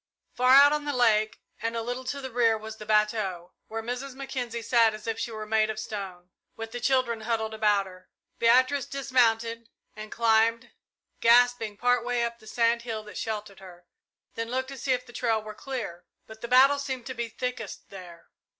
Far out on the lake and a little to the rear was the bateau, where Mrs. Mackenzie sat as if she were made of stone, with the children huddled about her. Beatrice dismounted, and climbed, gasping, part way up the sand hill that sheltered her, then looked to see if the trail were clear, but the battle seemed to be thickest there.